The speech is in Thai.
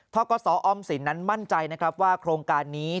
กศออมสินนั้นมั่นใจนะครับว่าโครงการนี้